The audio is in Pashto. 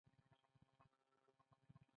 که دي دا ډول خبرې وې، بیا به نه راځې.